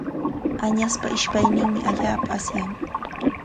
Añaspa ishpayninmi allaapa asyan.